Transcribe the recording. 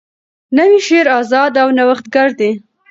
نوی شعر آزاده او نوښتګر دی.